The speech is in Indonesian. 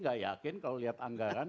miyamuk yang universiti bahwa dia protein